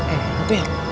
eh enak neng